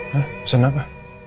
hah pesen apa